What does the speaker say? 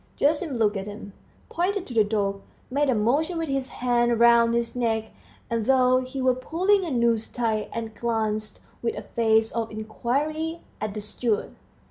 Gerasim looked at him, pointed to the dog, made a motion with his hand round his neck, as though he were pulling a noose tight, and glanced with a face of inquiry at the steward.